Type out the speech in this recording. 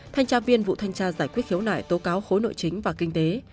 thanh tra viên vụ thanh tra giải quyết khiếu nại tố cáo khối nội chính và kinh tế